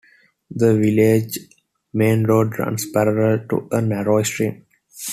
The village main road runs parallel to a narrow stream.